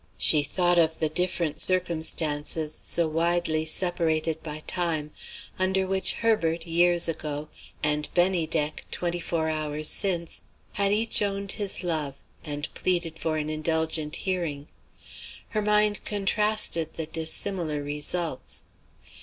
She thought of the different circumstances, so widely separated by time, under which Herbert (years ago) and Bennydeck (twenty four hours since) had each owned his love, and pleaded for an indulgent hearing. Her mind contrasted the dissimilar results.